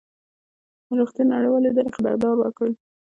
د روغتیا نړیوالې ادارې خبرداری ورکړی